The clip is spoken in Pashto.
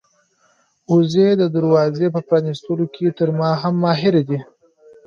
وزې د دروازې په پرانيستلو کې تر ما هم ماهرې دي.